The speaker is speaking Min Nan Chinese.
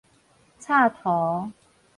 鍤塗